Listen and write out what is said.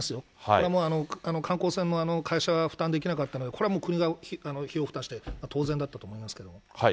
これはもう、観光船のあの会社、負担できなかったので、これはもう国が費用負担してやっぱり当然だったと思いますけど。